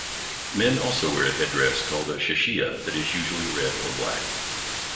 Men also wear a headdress called a 'Shashiyah' that is usually red or black.